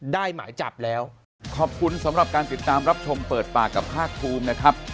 หมายจับแล้วขอบคุณสำหรับการติดตามรับชมเปิดปากกับภาคภูมินะครับ